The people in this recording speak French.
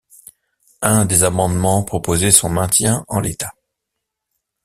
Un des amendements proposait son maintien en l'état.